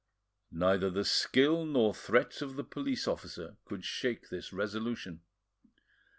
Neither the skill nor threats of the police officer could shake this resolution.